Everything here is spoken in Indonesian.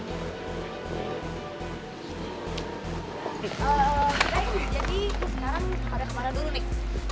kirai jadi sekarang pada kemana dulu nik